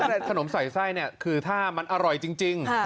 แต่ขนมใส่ไส้คือถ้ามันอร่อยจริง